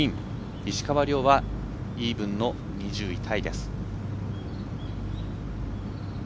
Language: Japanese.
石川遼はイーブンの２０位タイです。